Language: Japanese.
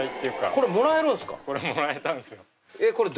これもらえたんですよ。